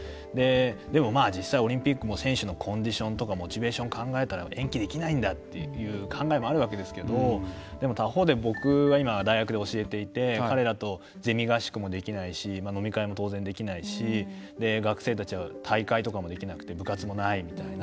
でも、実際オリンピックも選手のコンディションとかモチベーションを考えたら延期できないんだという考え方もあるんですけど他方で僕は今、大学で教えていて彼らとゼミ合宿もできないし飲み会も当然、できないし学生たちは大会もできなくて部活もないみたいな。